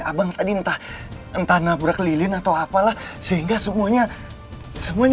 abang tadi entah entah nabrak keliling atau apalah sehingga semuanya semuanya